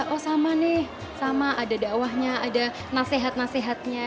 oh sama nih sama ada dakwahnya ada nasihat nasihatnya